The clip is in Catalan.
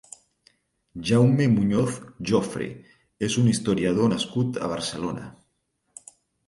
Jaume Muñoz Jofre és un historiador nascut a Barcelona.